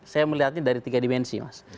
saya melihatnya dari tiga dimensi mas